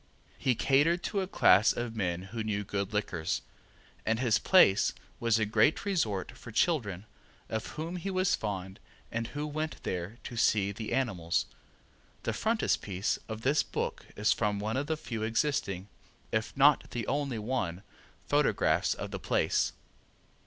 He catered to a class of men who knew good liquors, and his place was a great resort for children, of whom he was fond and who went there to see the animals. The frontispiece of this book is from one of the few existing (if not the only one) photographs of the place.